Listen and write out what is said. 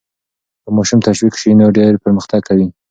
که ماشوم تشویق سي نو ډېر پرمختګ کوي.